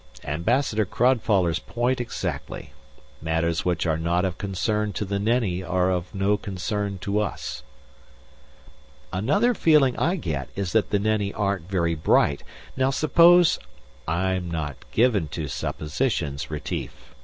Ambassador Crodfoller's point exactly. Matters which are not of concern to the Nenni are of no concern to us." "Another feeling I get is that the Nenni aren't very bright. Now suppose " "I'm not given to suppositions, Retief.